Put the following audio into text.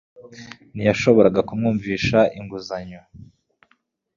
Ntiyashoboraga kumwumvisha gusaba inguzanyo